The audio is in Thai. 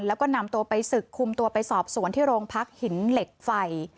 แล้วก็นำตัวไปศึกคุมตัวไปสอบสวนที่โรงพักหินเหล็กไฟ